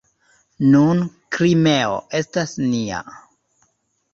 Nun Krimeo estas nia.